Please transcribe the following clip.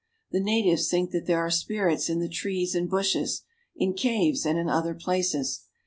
The natives think there are spirits in the trees and bushes, in caves and other places.